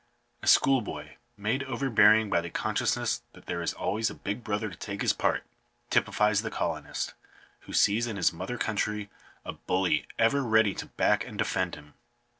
A schoolboy, made overbearing by the consciousness that there is always a big brother to take his part, typifies the colonist, who sees in his mother country a bully ever ready to back and defend him.